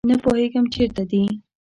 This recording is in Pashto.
نه پوهیږم چیرته دي